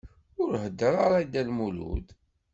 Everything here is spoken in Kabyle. Ur heddeṛ ara i Dda Lmulud.